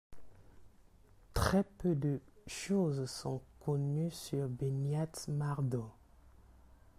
Très peu de choses sont connues sur Beñat Mardo.